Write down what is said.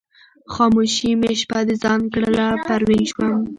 خاموشي مې شپه د ځان کړله پروین شوم